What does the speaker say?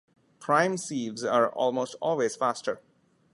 Prime sieves are almost always faster.